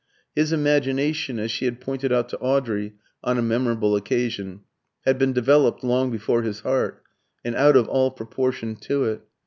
His imagination, as she had pointed out to Audrey on a memorable occasion, had been developed long before his heart, and out of all proportion to it.